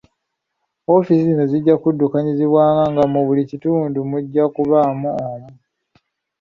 Ofiisi zino zijja kuddukanyizibwa nga mu buli kitundu mujja kubaamu omu.